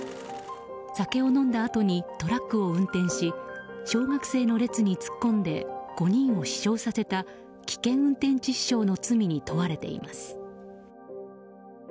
酒を飲んだあとにトラックを運転し小学生の列に突っ込んで５人を死傷させた危険運転致死傷の罪に問われています。